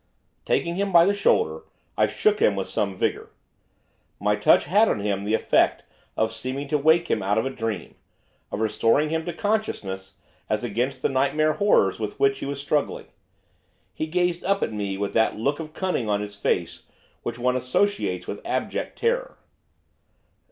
Taking him by the shoulder, I shook him with some vigour. My touch had on him the effect of seeming to wake him out of a dream, of restoring him to consciousness as against the nightmare horrors with which he was struggling. He gazed up at me with that look of cunning on his face which one associates with abject terror.